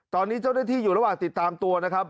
ตอนนี้เจ้าหน้าที่อยู่ระหว่างติดตามตัวนะครับ